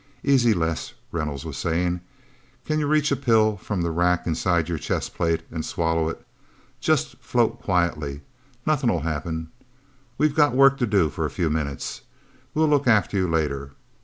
"Easy, Les," Reynolds was saying. "Can you reach a pill from the rack inside your chest plate, and swallow it? Just float quietly nothing'll happen. We've got work to do for a few minutes... We'll look after you later...